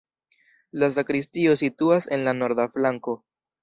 La sakristio situas en la norda flanko.